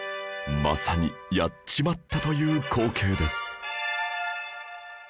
まさにやっちまったという光景です